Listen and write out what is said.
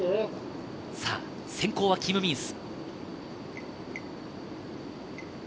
先攻はキム・ミンス。